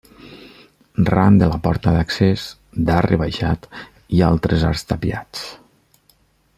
Ran de la porta d'accés, d'arc rebaixat, hi ha altres arcs tapiats.